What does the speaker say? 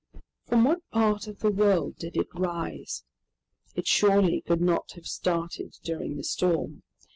From what part of the world did it rise? It surely could not have started during the storm.